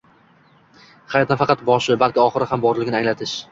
Hayot nafaqat boshi, balki oxiri ham borligini anglatish.